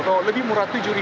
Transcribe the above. atau lebih murah tujuh